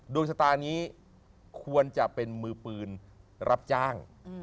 ดวงชะตานี้ควรจะเป็นมือปืนรับจ้าง